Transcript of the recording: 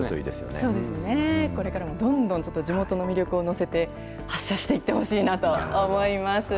そうですね、これからもどんどん地元の魅力を乗せて発射していってほしいなと思います。